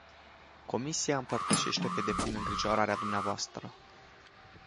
Comisia împărtășește pe deplin îngrijorarea dvs.